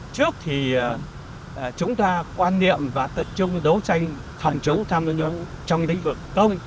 trước thì chúng ta quan niệm và tập trung đấu tranh phòng chống tham nhũng trong lĩnh vực công